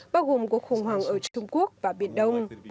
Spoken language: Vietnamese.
bao gồm cuộc khủng hoảng ở trung quốc và biển đông